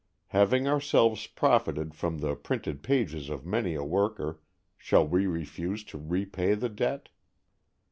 Having ourselves profited from the printed pages of many a worker, shall we refuse to repay the debt?